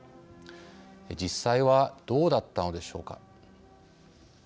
実際は、どうだったのでしょうか。